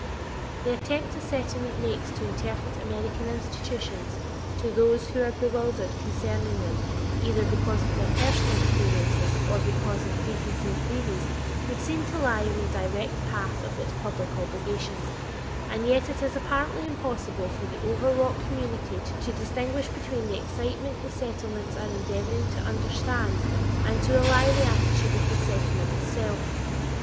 The attempt a Settlement makes to interpret American institutions to those who are bewildered concerning them either because of their personal experiences, or because of preconceived theories, would seem to lie in the direct path of its public obligation, and yet it is apparently impossible for the overwrought community to distinguish between the excitement the Settlements are endeavoring to understand and to allay and the attitude of the Settlement itself.